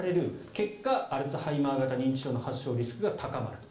結果、アルツハイマー型認知症の発症リスクが高まると。